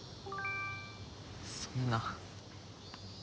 そんな。